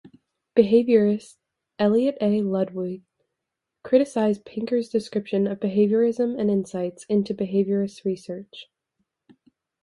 Behaviorist Elliot A. Ludvig criticized Pinker's description of behaviorism and insights into behaviorist research.